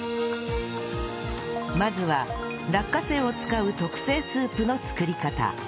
まずは落花生を使う特製スープの作り方